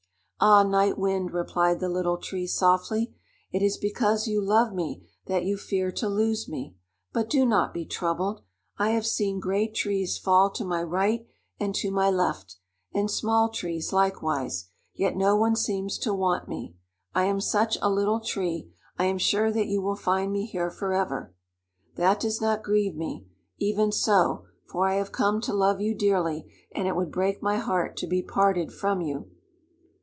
"Ah, Night Wind," replied the Little Tree softly, "it is because you love me that you fear to lose me; but do not be troubled. I have seen great trees fall to my right and to my left, and small trees likewise, yet no one seems to want me. I am such a little tree; I am sure that you will find me here forever. That does not grieve me, even so, for I have come to love you dearly, and it would break my heart to be parted from you."